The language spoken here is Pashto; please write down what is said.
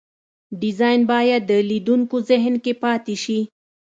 ډیزاین باید د لیدونکو ذهن کې پاتې شي.